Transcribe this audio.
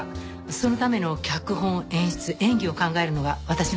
そのための脚本演出演技を考えるのが私の仕事です。